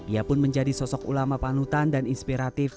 ia pun menjadi sosok ulama panutan dan inspiratif